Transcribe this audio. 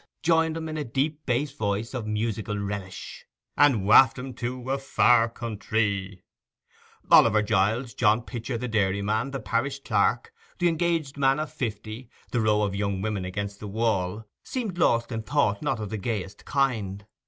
'joined him in a deep bass voice of musical relish— 'And waft 'em to a far countree!' Oliver Giles, John Pitcher the dairyman, the parish clerk, the engaged man of fifty, the row of young women against the wall, seemed lost in thought not of the gayest kind.